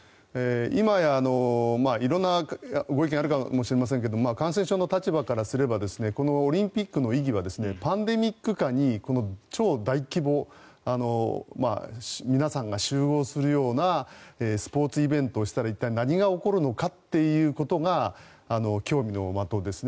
今、色んなご意見あるかもしれませんが感染症の立場からすればこのオリンピックの意義はパンデミック下に超大規模で皆さんが集合するようなスポーツイベントを行ったら一体何が起こるのかということが協議の的ですね。